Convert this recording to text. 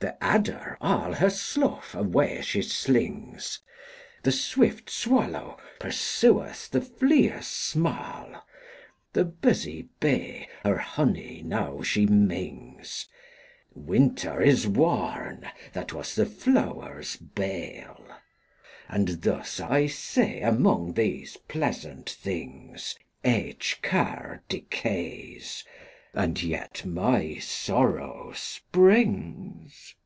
The adder all her slough away she slings; The swift swallow pursueth the flies smale; 10 The busy bee her honey now she mings; Winter is worn that was the flowers' bale. And thus I see among these pleasant things Each care decays, and yet my sorrow springs.